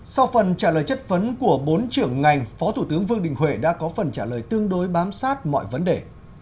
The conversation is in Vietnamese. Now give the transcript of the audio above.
sau phần trả lời chất vấn của bốn trưởng ngành phó thủ tướng vương đình huệ đã có phần trả lời tương đối bám sát mọi vấn đề